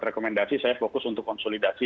rekomendasi saya fokus untuk konsolidasi